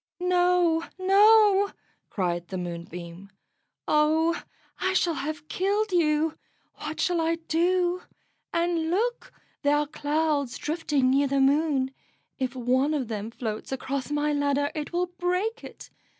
"No, no," cried the Moonbeam. "Oh, I shall have killed you! What shall I do? And look, there are clouds drifting near the Moon; if one of them floats across my ladder it will break it.